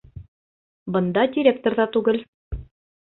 Бында директор ҙа түгел.